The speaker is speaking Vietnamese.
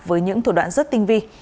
với những thủ đoạn rất tinh vi